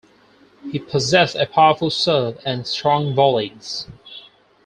He possessed a powerful serve and strong volleys.